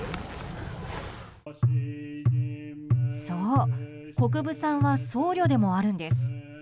そう、国分さんは僧侶でもあるんです。